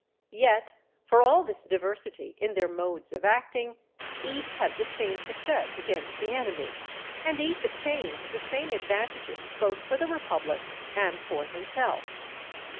Yet, for all this diversity in their modes of acting, each had the same success against the enemy, and each obtained the same advantages both for the republic and for himself.